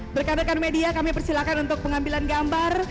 berkandalkan media kami persilahkan untuk pengambilan gambar